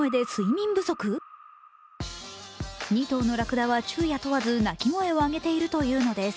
２頭のラクダは昼夜問わず鳴き声を上げているというのです。